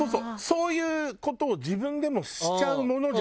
そういう事を自分でもしちゃうものじゃん。